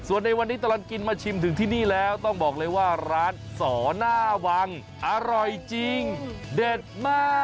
วันนี้กีนมากินชิมจนที่นี่แล้วต้องบอกเลยว่าร้านสรหน้าวังอร่อยจริงเด็ดมาก